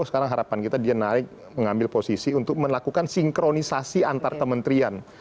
sekarang harapan kita dia naik mengambil posisi untuk melakukan sinkronisasi antar kementerian